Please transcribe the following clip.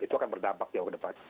itu akan berdampak jauh ke depan